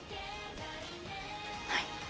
はい。